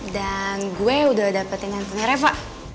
dan gue udah dapetin nantinya reva